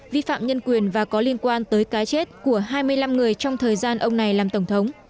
vi phạm nhân quyền và có liên quan tới cái chết của hai mươi năm người trong thời gian ông này làm tổng thống